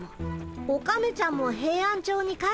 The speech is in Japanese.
オカメちゃんもヘイアンチョウに帰ってたんだね。